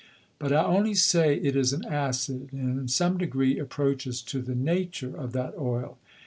But I only say it is an Acid, and in some degree approaches to the Nature of that Oil.